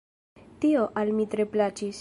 Tio al mi tre plaĉis.